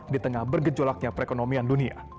di tengah bergejolaknya perekonomian dunia